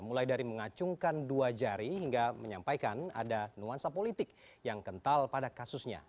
mulai dari mengacungkan dua jari hingga menyampaikan ada nuansa politik yang kental pada kasusnya